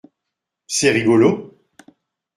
C’est rigolo.